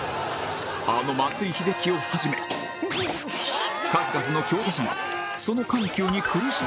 あの松井秀喜をはじめ数々の強打者がその緩急に苦しめられてきた